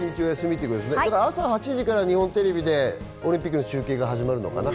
朝８時から日本テレビでオリンピックの中継が始まるのかな？